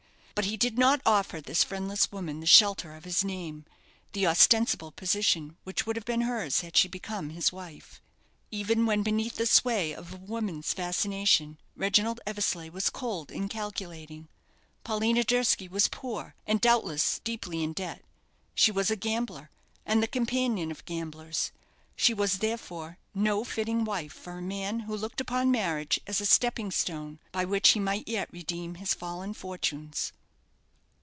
But he did not offer this friendless woman the shelter of his name, the ostensible position which would have been hers had she become his wife. Even when beneath the sway of a woman's fascination Reginald Eversleigh was cold and calculating. Paulina Durski was poor, and doubtless deeply in debt. She was a gambler, and the companion of gamblers. She was, therefore, no fitting wife for a man who looked upon marriage as a stepping stone by which he might yet redeem his fallen fortunes.